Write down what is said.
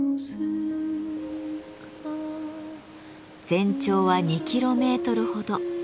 全長は２キロメートルほど。